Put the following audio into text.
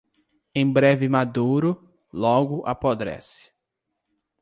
Em breve maduro, logo apodrece.